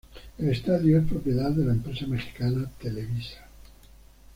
El estadio es propiedad de la empresa mexicana Televisa.